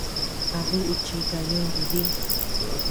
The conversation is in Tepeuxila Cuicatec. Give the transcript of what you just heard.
¿A duʼu chika yuntu dí?